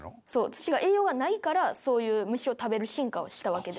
土が栄養がないからそういう虫を食べる進化をしたわけで。